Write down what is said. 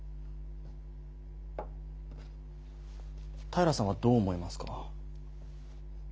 平さんはどう思いますか？